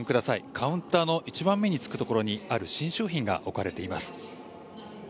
カウンターの一番目につくところにある新商品が置かれています。